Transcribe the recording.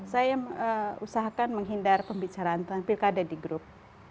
saya usahakan menghindar pembicaraan tentang pilkada di grup